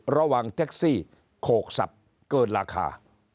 ระหว่างแท็กซี่โขกสับเกินราคา